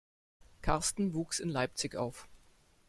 Karsten wuchs in Leipzig auf.